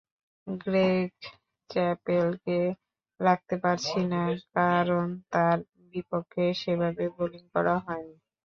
Greg চ্যাপেলকে রাখতে পারছি না, কারণ তাঁর বিপক্ষে সেভাবে বোলিং করা হয়নি।